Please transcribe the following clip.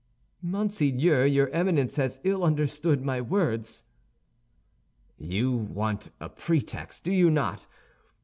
"Monseigneur, your Eminence has ill understood my words." "You want a pretext, do you not?